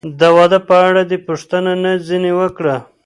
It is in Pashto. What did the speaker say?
د واده په اړه دې پوښتنه نه ځنې وکړه؟